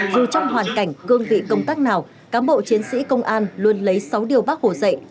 dù trong hoàn cảnh cương vị công tác nào cán bộ chiến sĩ công an luôn lấy sáu điều bác hồ dạy